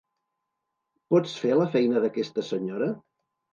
Pots fer la feina d'aquesta senyora?